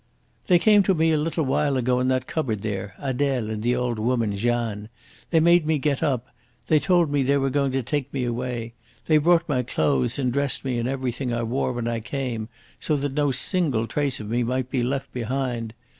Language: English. "They came to me a little while ago in that cupboard there Adele and the old woman Jeanne. They made me get up. They told me they were going to take me away. They brought my clothes and dressed me in everything I wore when I came, so that no single trace of me might be left behind.